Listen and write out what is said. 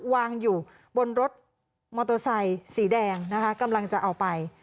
วางอยู่บนรถมอโตไซด์สีแดงกำลังจะเอาไป